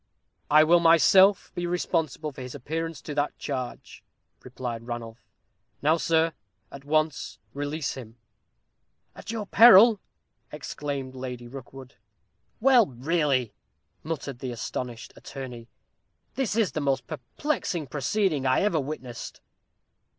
"I will myself be responsible for his appearance to that charge," replied Ranulph. "Now, sir, at once release him." "At your peril!" exclaimed Lady Rookwood. "Well, really," muttered the astonished attorney, "this is the most perplexing proceeding I ever witnessed."